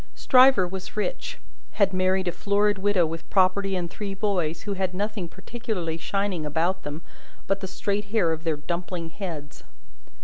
Stryver was rich; had married a florid widow with property and three boys, who had nothing particularly shining about them but the straight hair of their dumpling heads.